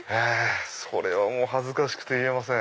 それは恥ずかしくて言えません。